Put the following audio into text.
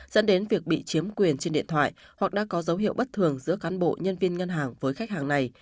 dẫn đến việc bị chiếm quyền trên điện thoại hoặc đã có dấu hiệu bất thường giữa cán bộ nhân viên ngân hàng với khách hàng này